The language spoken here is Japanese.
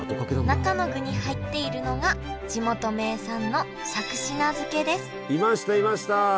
中の具に入っているのが地元名産のいましたいました！